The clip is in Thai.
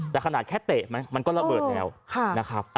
แต่ขนาดแค่เตะไหมมันก็ระเบิดแล้วนะครับ